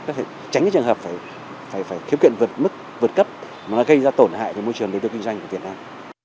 để tránh cái trường hợp phải khiếm kiện vượt mức vượt cấp mà nó gây ra tổn hại cho môi trường đối tượng kinh doanh của việt nam